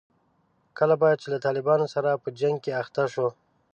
کله به چې له طالبانو سره په جنګ کې اخته شوو.